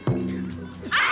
あっ！